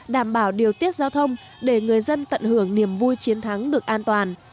đảm bảo điều tiết giao thông để người dân tận hưởng niềm vui chiến thắng được an toàn